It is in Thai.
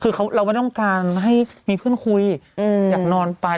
คือเราไม่ต้องการให้มีเพื่อนคุยอยากนอนไป